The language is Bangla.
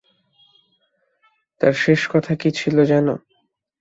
তার শেষ কথা কি ছিল জানো?